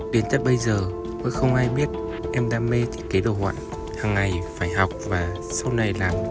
đến tất bây giờ mới không ai biết em đam mê thiết kế đồ họa hằng ngày phải học và sau này làm